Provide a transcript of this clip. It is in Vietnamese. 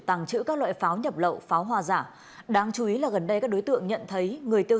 tàng trữ các loại pháo nhập lậu pháo hoa giả đáng chú ý là gần đây các đối tượng nhận thấy người tiêu